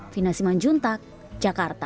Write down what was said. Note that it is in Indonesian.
fina simanjuntak jakarta